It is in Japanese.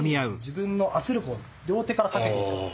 自分の圧力を両手からかけていく。